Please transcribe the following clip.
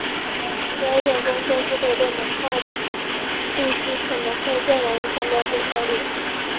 标准工作负荷的能耗数据可能会更容易判断电效率。